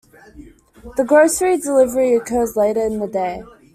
The grocery delivery occurs later in the day.